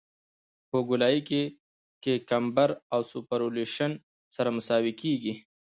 په ګولایي کې کمبر او سوپرایلیویشن سره مساوي کیږي